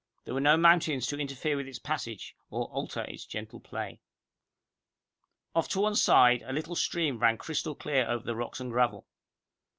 There were no mountains to interfere with its passage, or alter its gentle play. Off to one side, a little stream ran crystal clear over rocks and gravel. Dr.